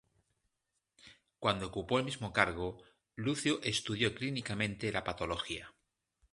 Cuando ocupó el mismo cargo, Lucio estudió clínicamente la patología.